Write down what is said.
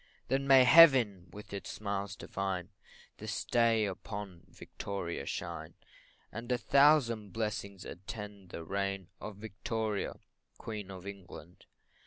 Then may Heaven, with its smiles divine, This day upon Victoria shine, And a thousand blessings attend the reign Of Victoria, Queen of England.